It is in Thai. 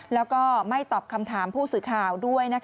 แล้วก็ไม่ตอบคำถามผู้สื่อข่าวด้วย